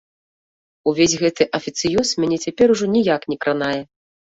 Увесь гэты афіцыёз мяне цяпер ужо ніяк не кранае.